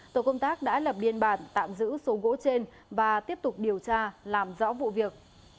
tổ công tác đã lập biên bản tạm giữ số gỗ trên và tiếp tục điều tra làm rõ vụ việc